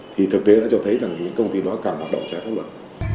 thì thực tế đã cho thấy rằng những công ty đó càng hoạt động trái pháp luật